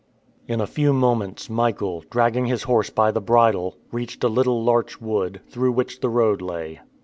In a few moments Michael, dragging his horse by the bridle, reached a little larch wood, through which the road lay.